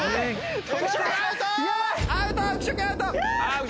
アウト！